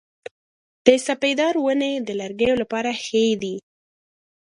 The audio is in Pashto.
د سپیدار ونې د لرګیو لپاره ښې دي؟